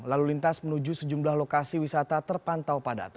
lalu lintas menuju sejumlah lokasi wisata terpantau padat